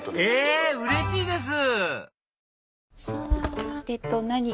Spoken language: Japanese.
えうれしいです！